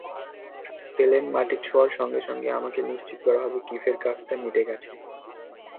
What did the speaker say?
Plane মাটি ছোঁয়ার সঙ্গে সঙ্গে, আমাকে নিশ্চিত করা হবে কিফের কাজটা মিটে গেছে।